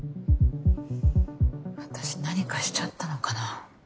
私何かしちゃったのかな？